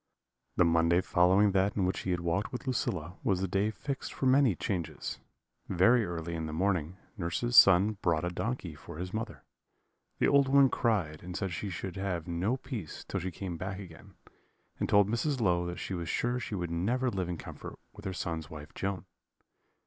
"The Monday following that in which he had walked with Lucilla was the day fixed for the many changes. Very early in the morning, nurse's son brought a donkey for his mother. The old woman cried, and said she should have no peace till she came back again, and told Mrs. Low that she was sure she should never live in comfort with her son's wife Joan.